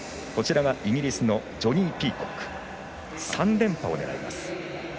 イギリスのジョニー・ピーコック３連覇を狙います。